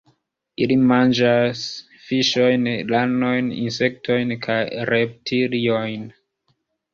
Ili manĝas fiŝojn, ranojn, insektojn kaj reptiliojn.